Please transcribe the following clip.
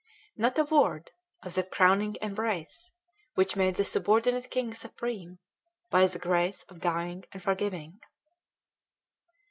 Not a word of that crowning embrace, which made the subordinate king supreme, by the grace of dying and forgiving!